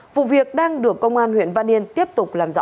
vụ việc đang được công an huyện văn yên tiếp tục làm rõ